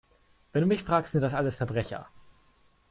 Wenn du mich fragst, sind das alles Verbrecher!